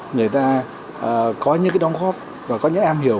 người ta có những cái đóng góp và có những am hiểu